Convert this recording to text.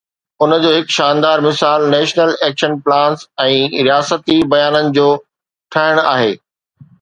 ان جو هڪ شاندار مثال نيشنل ايڪشن پلانز ۽ رياستي بيانن جو ٺهڻ آهي.